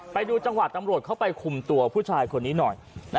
ไปดูจังหวะตำรวจเข้าไปคุมตัวผู้ชายคนนี้หน่อย